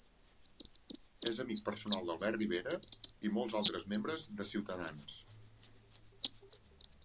És amic personal d'Albert Rivera i molts altres membres de Ciutadans.